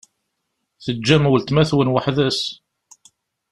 Teǧǧam weltma-twen weḥd-s?